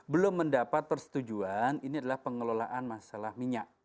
belum mendapat persetujuan ini adalah pengelolaan masalah minyak